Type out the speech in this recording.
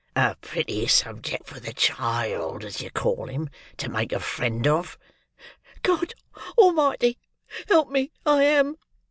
A pretty subject for the child, as you call him, to make a friend of!" "God Almighty help me, I am!"